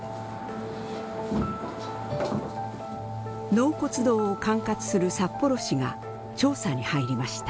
納骨堂を管轄する札幌市が調査に入りました。